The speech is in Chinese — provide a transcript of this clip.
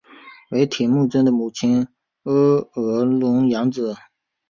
为铁木真的母亲诃额仑养子。